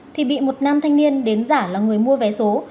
thì bị một nam thanh niên đến giả là người mua vé số